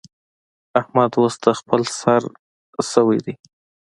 احمد اوس د خپل سر شوی دی.